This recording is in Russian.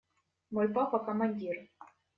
Мой папа – командир.